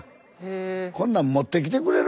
こんなん持ってきてくれる？